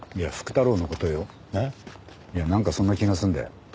いやなんかそんな気がするんだよ。